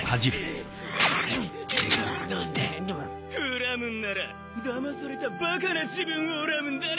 恨むんならだまされたバカな自分を恨むんだな！